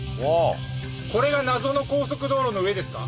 これが謎の高速道路の上ですか？